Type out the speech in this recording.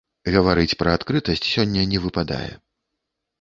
Гаварыць пра адкрытасць сёння не выпадае.